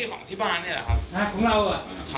เมตต์ของที่บ้านเนี้ยหรอครับ